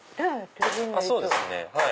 そうですね。